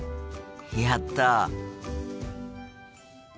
やった！